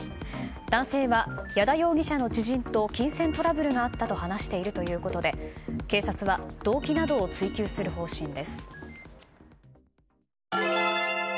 男性は矢田容疑者の知人と金銭トラブルがあったと話しているということで警察は動機などを追及する方針です。